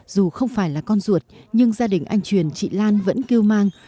dù không phải là con ruột nhưng gia đình anh truyền chị lan vẫn kêu mang